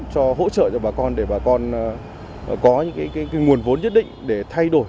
cho hỗ trợ cho bà con để bà con có những nguồn vốn nhất định để thay đổi